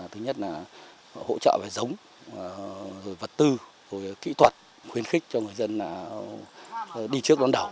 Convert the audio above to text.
thứ nhất là hỗ trợ về giống rồi vật tư rồi kỹ thuật khuyến khích cho người dân đi trước đón đầu